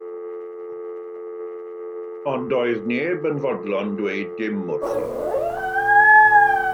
Ond doedd neb yn fodlon dweud dim wrthi.